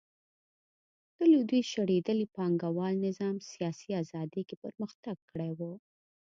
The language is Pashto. د لوېدیځ شړېدلي پانګوال نظام سیاسي ازادي کې پرمختګ کړی و